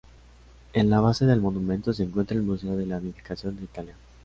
En la base del monumento se encuentra el museo de la unificación de Italia.